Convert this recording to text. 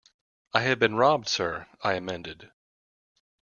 I have been robbed, sir, I amended.